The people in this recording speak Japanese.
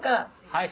はい。